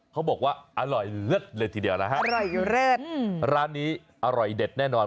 เขาบอกว่าอร่อยเล็ดเลยทีเดียวนะครับร้านนี้อร่อยเด็ดแน่นอน